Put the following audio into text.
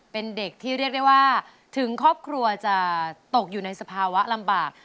เป็นเด็กที่เรียกได้ว่าถึงครอบครัวจะตกอยู่ในสภาวะลำบาก